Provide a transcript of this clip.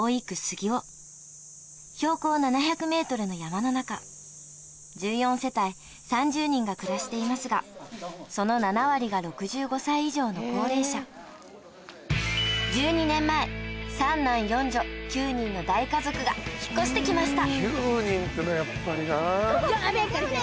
の山の中１４世帯３０人が暮らしていますがその７割が６５歳以上の高齢者１２年前９人ってのやっぱりな。